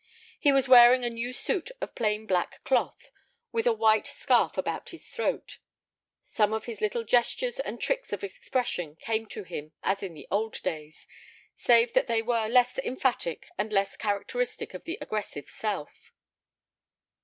He was wearing a new suit of plain black cloth, with a white scarf about his throat. Some of his little gestures and tricks of expression came to him as in the old days, save that they were less emphatic and less characteristic of the aggressive self.